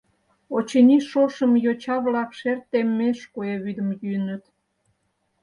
Очыни, шошым йоча-влак шер теммеш куэ вӱдым йӱыныт.